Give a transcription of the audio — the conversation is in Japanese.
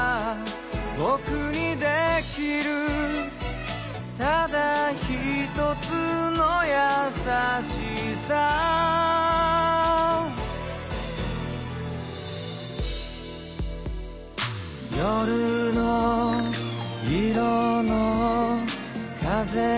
「僕にできるただ一つの優しさ」「夜の色の風が」